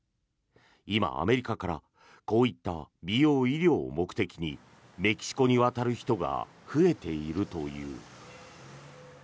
今、アメリカからこういった美容・医療を目的にメキシコに渡る人が増えているという。